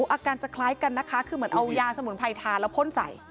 อาการจะคล้ายกันนะคะคือเหมือนเอายาสมุนไพรทาแล้วพ่นใส่